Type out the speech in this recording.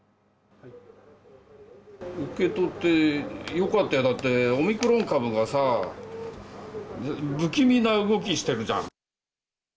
受け取ってよかったよ、だって、オミクロン株がさ、不気味な動きしてるじゃん。